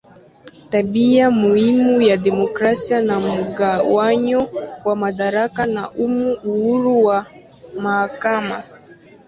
Tabia muhimu ya demokrasia ni mgawanyo wa madaraka na humo uhuru wa mahakama.